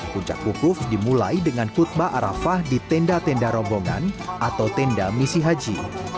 puncak wukuf dimulai dengan khutbah arafah di tenda tenda rombongan atau tenda misi haji